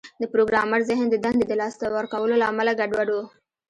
د پروګرامر ذهن د دندې د لاسه ورکولو له امله ګډوډ و